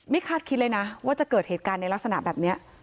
คาดคิดเลยนะว่าจะเกิดเหตุการณ์ในลักษณะแบบนี้